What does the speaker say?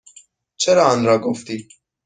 چرا آنرا گفتی؟